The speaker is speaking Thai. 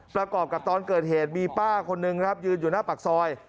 ประกอบกับตอนเกิดเหตุมีป้าคนนึงครับยืนอยู่หน้าปากซอย